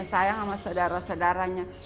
sayang sama saudara saudaranya